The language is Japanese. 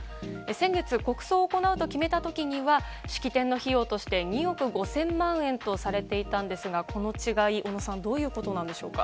先月、国葬を行うと決めた時には式典の費用として２億５０００万円とされていたんですがこの違い、小野さんどういうことなんでしょうか。